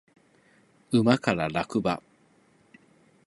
馬から落馬